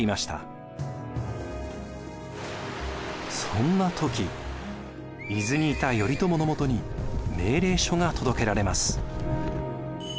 そんな時伊豆にいた頼朝のもとに命令書が届けられます。